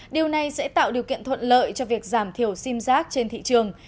điều này sẽ tạo điều kiện thuận lợi cho việc giảm thiểu sim giác trên thị trường